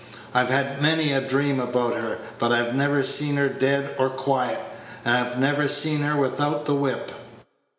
I've had many a dream about her, but I've never seen her dead or quiet, and I've never seen her without the whip."